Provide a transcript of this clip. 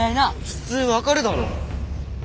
普通分かるだろ。